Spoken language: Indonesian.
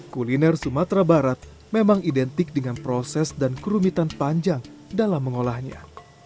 kuliner sumatera barat memang identik dengan proses dan kerumitan panjang dalam mengolahnya